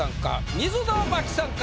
水野真紀さんか？